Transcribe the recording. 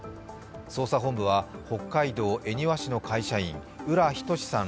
捜査本部は北海道恵庭市の会社員浦仁志さん